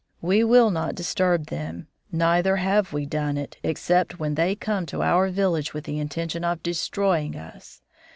We will not disturb them, neither have we done it, except when they come to our village with the intention of destroying us.